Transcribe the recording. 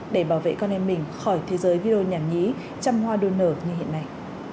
để bảo vệ con em mình khỏi thế giới video nhảm nhí chăm hoa đôi nở như hiện nay